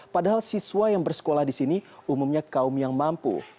padahal siswa yang bersekolah di sini umumnya kaum yang mampu